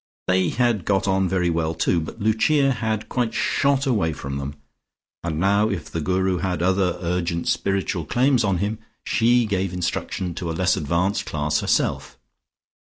They had got on very well, too, but Lucia had quite shot away from them, and now if the Guru had other urgent spiritual claims on him, she gave instruction to a less advanced class herself.